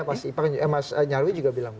mas nyarwi juga bilang